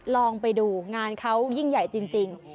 ลองไปดูงานเขายิ่งใหญ่จริง